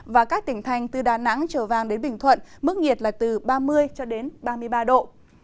và các tỉnh thành từ đà nẵng trở vàng đến bình thuận mức nhiệt là từ ba mươi ba mươi ba độ